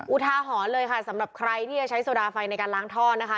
อุทาหรณ์เลยค่ะสำหรับใครที่จะใช้โซดาไฟในการล้างท่อนะคะ